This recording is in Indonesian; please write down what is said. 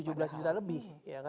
tujuh belas juta lebih